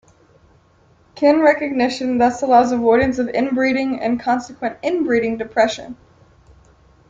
Kin recognition thus allows avoidance of inbreeding and consequent inbreeding depression.